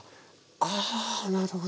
あなるほど。